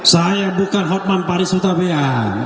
saya bukan hotman paris utabea